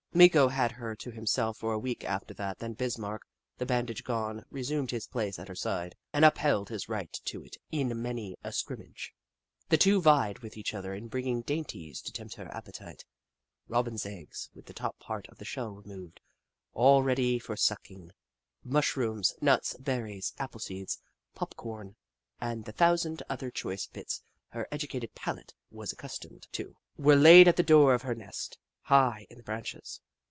Meeko had her to himself for a week after that, then Bismarck, the bandage gone, re sumed his place at her side and upheld his right to it in many a scrimmage. The two vied with each other in bringing dainties to tempt her appetite. Robins' eggs, with the top part of the shell removed, all ready for sucking, mushrooms, nuts, berries, apple seeds, pop corn, and the thousand other choice bits her educated palate was accustomed L<#a loo The Book of Clever Beasts to, were laid at the door of her nest, high in the branches.